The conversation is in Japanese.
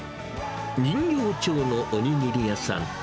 人形町のおにぎり屋さん。